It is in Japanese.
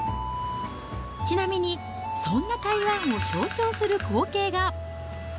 ちなみにそんな台湾を象徴する光景が。